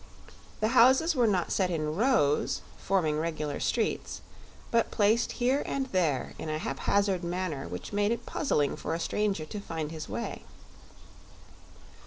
The houses were not set in rows, forming regular streets, but placed here and there in a haphazard manner which made it puzzling for a stranger to find his way.